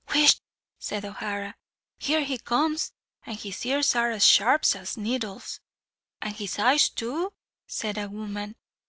"Whisht!" said O'Hara. "Here he comes, and his ears are as sharp as needles." "And his eyes too," said a woman.